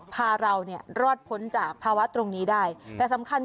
พาเราเนี่ยรอดพ้นจากภาวะตรงนี้ได้แต่สำคัญ